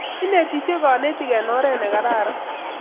Inetisye kanetik eng' oret ne kararan